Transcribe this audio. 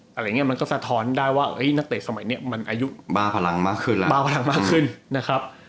อะไรอย่างนี้มันก็สะท้อนได้ว่านักเตะสมัยนี้มันอายุบ้าพลังมากขึ้นแล้วบ้าพลังมากขึ้นนะครับ